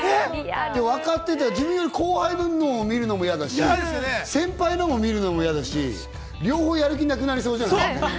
自分より後輩の分の見るのもやだし、先輩のを見るのも嫌だし、両方やる気なくなりそうじゃない？